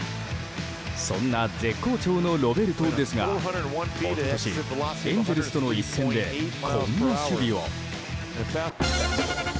そんな絶好調のロベルトですが一昨年、エンゼルスとの一戦でこんな守備を。